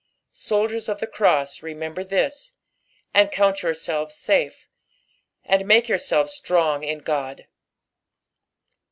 Ektldiers of the cross, remember this, and count yourBelves safe, and make jourselves strong in Ood.